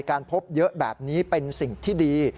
การพบเยอะแบบนี้เป็นสิ่งที่ดี